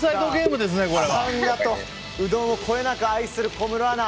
うどんをこよなく愛する小室アナ